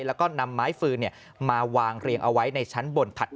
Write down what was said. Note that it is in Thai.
แล้วก็นำไม้ฟืนมาวางเรียงเอาไว้ในชั้นบนถัด